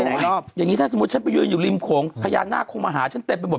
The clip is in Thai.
อย่างนี้ถ้าสมมุติฉันไปยืนอยู่ริมโขงพญานาคคงมาหาฉันเต็มไปหมด